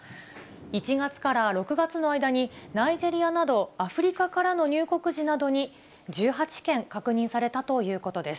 １月から６月の間に、ナイジェリアなど、アフリカからの入国時などに１８件確認されたということです。